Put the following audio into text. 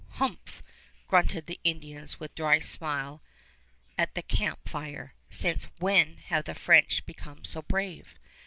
"Humph," grunted the Indians with a dry smile at the camp fire, "since when have the French become so brave?"